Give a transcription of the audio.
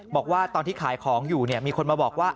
บอกว่าตอนที่ขายของอยู่มีคนมาบอกว่า